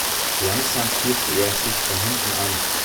Langsam pirschte er sich von hinten an.